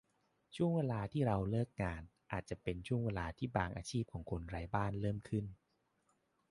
ช่วงเวลาที่เราเลิกงาน อาจจะเป็นช่วงเวลาที่บางอาชีพของคนไร้บ้านเริ่มขึ้น